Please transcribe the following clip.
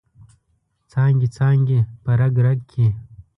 څانګې، څانګې په رګ، رګ کې